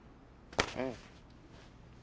うん。